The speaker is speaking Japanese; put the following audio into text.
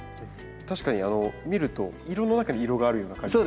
確かに見ると色の中に色があるような感じですね。